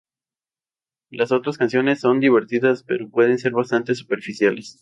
Las otras canciones son divertidas, pero pueden ser bastante superficiales.